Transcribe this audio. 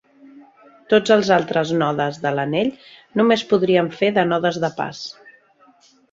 Tots els altres nodes de l'anell només podrien fer de nodes de pas.